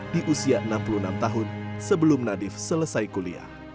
di usia enam puluh enam tahun sebelum nadif selesai kuliah